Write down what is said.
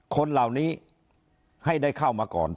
คนเหล่านี้ให้ได้เข้ามาก่อน